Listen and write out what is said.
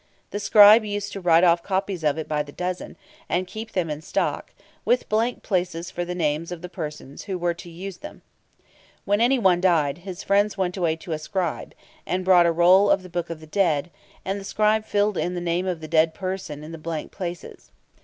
The scribes used to write off copies of it by the dozen, and keep them in stock, with blank places for the names of the persons who were to use them. When anyone died, his friends went away to a scribe, and bought a roll of the Book of the Dead, and the scribe filled in the name of the dead person in the blank places.